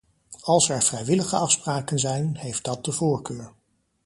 Als er vrijwillige afspraken zijn, heeft dat de voorkeur.